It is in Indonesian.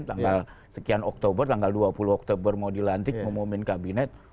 tanggal sekian oktober tanggal dua puluh oktober mau dilantik ngomongin kabinet